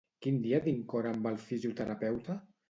Quin dia tinc hora amb el fisioterapeuta?